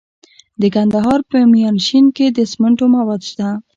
د کندهار په میانشین کې د سمنټو مواد شته.